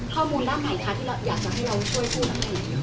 ข้อมูลด้านไหนคะที่เราอยากจะให้เราช่วยพูด